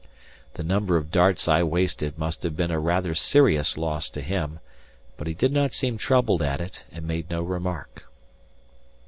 The number of darts I wasted must have been a rather serious loss to him, but he did not seem troubled at it, and made no remark.